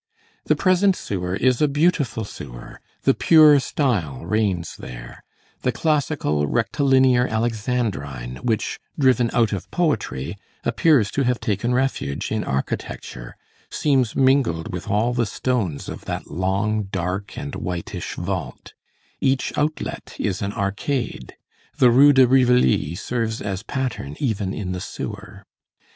The present sewer is a beautiful sewer; the pure style reigns there; the classical rectilinear alexandrine which, driven out of poetry, appears to have taken refuge in architecture, seems mingled with all the stones of that long, dark and whitish vault; each outlet is an arcade; the Rue de Rivoli serves as pattern even in the sewer.